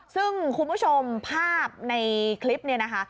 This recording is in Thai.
ซึ่งคุณผู้ชมภาพในคลิปเนี่ยนะคะ